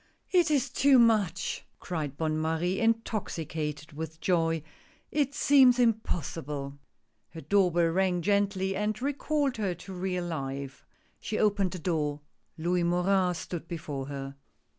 " It is too much !" cried Bonne Marie, intoxicated with joy ;" it seems impossible !" Her door bell rang gently and recalled her to real life. She opened the door. Louis Morin stood before her.